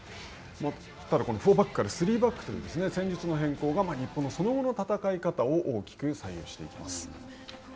４バックから３バックという戦術の変更が日本のその後の戦い方を大きく左右していきます。